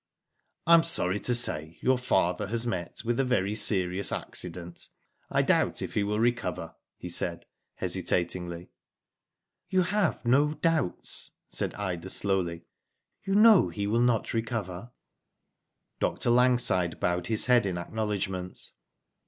" I am sorry to say your father has met with a very serious accident. I doubt if he will recover," he said, hesitatingly. *'You have no doubts," said Ida, slowly; "you know he will not recover." Dr. Langside bowed his head in acknowledg ment.